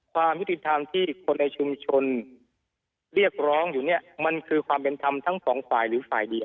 ความยุติธรรมที่คนในชุมชนเรียกร้องอยู่เนี่ยมันคือความเป็นธรรมทั้งสองฝ่ายหรือฝ่ายเดียว